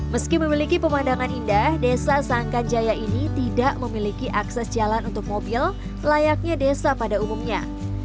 meski memiliki pemandangan indah desa sangka jaya ini tidak memiliki akses jalan untuk mobil layaknya desa pada umumnya